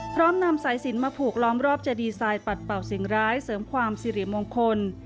พร้อมนำสายสินมาผูกล้อมรอบจะดีไซน์ปัดเป่าสิ่งร้ายเสริมความสิริมงคล